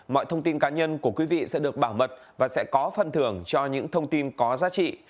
mọi thông tin cá nhân của quý vị sẽ được bảo mật và sẽ có phần thưởng cho những thông tin có giá trị